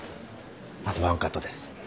あとワンカットです。